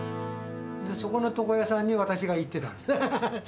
そこの床屋さんに私が行ってたんです。